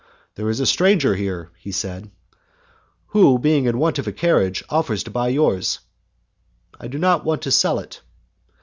"There is a stranger here," he said, "who, being in want of a carriage, offers to buy yours" "I do not want to sell it."